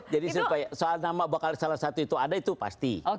jadi sampai soal nama bakal salah satu itu ada itu pasti